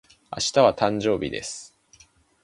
明日は、誕生日です。